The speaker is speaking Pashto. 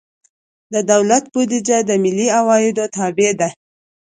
د دولت بودیجه د ملي عوایدو تابع ده.